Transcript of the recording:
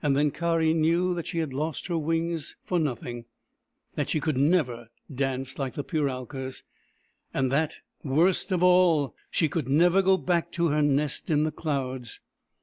Then Kari knew that she had lost her wings for nothing ; that she could never dance like the Puralkas, and that — worst of all — she could never go back to her nest in the clouds.